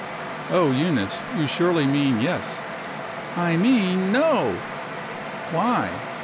"Oh, Eunice, you surely mean Yes?" "I mean No!" "Why?"